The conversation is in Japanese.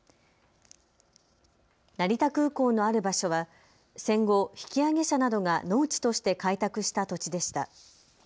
成田空港のある場所は戦後、引き揚げ者などが農地として開拓した土地でした。